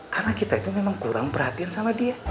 karena kita itu memang kurang perhatian sama dia